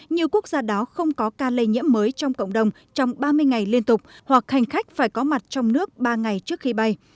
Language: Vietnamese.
như quốc gia đó không có ca lây nhiễm mới trong cộng đồng trong ba mươi ngày liên tục hoặc hành khách phải có mặt trong nước ba ngày trước khi bay